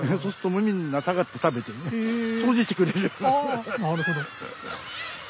ああなるほど。